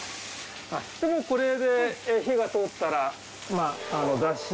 これで火が通ったらだし。